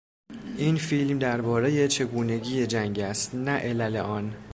این فیلم دربارهی چگونگی جنگ است نه علل آن.